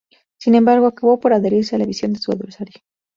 Sin embargo, acabó por adherirse a la visión de su adversario.